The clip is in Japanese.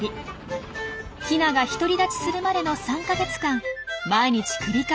ヒナが独り立ちするまでの３か月間毎日繰り返し行き来します。